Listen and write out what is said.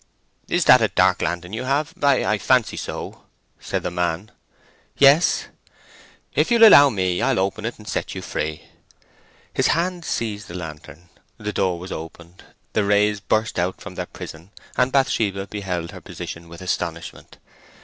"Is that a dark lantern you have? I fancy so," said the man. "Yes." "If you'll allow me I'll open it, and set you free." A hand seized the lantern, the door was opened, the rays burst out from their prison, and Bathsheba beheld her position with astonishment.